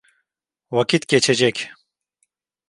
Vakit geçecek!